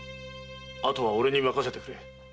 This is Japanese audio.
あとは俺に任せてくれ。